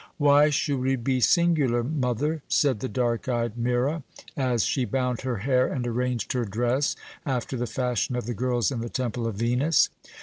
"Why should we be singular, mother?" said the dark eyed Myrrah, as she bound her hair and arranged her dress after the fashion of the girls in the temple of Venus.